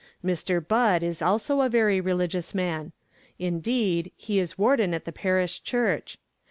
Mr. Budd is also a very religious man. Indeed, he is warden at the Parish Church.